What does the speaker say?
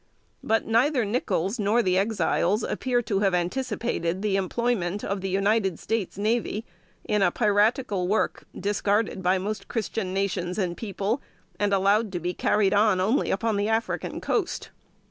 But neither Nichols, nor the Exiles, appear to have anticipated the employment of the United States navy in a piratical work, discarded by most Christian nations and people, and allowed to be carried on only upon the African coast.